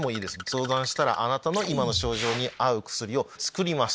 相談したらあなたの今の症状に合う薬を作ります。